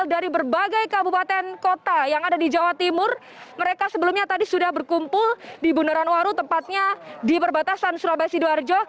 dari berbagai kabupaten kota yang ada di jawa timur mereka sebelumnya tadi sudah berkumpul di bundaran waru tempatnya di perbatasan surabaya sidoarjo